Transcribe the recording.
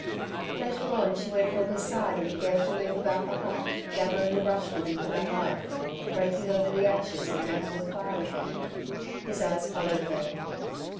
Later on she went from his side and began to move about the hut, gathering the brushwood into the hearth, raking over the ashes and making the fire again. His eyes followed her.